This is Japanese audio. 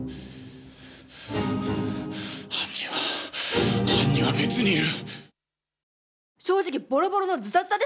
犯人は犯人は別にいる。